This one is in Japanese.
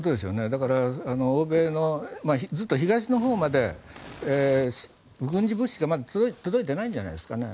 だから、欧米のずっと東のほうまで軍事物資がまだ届いてないんじゃないですかね。